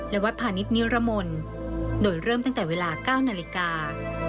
และวัดพาณิชนิรมนต์โดยเริ่มตั้งแต่เวลา๙นาฬิกา